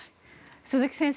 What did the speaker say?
鈴木先生